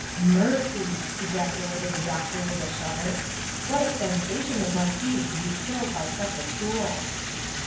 " Mercy !" ejaculated the doctor with a shudder, " what a sensation it must be to be killed by such a tool